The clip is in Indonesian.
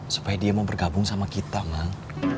supaya dia mau bergabung sama kita bang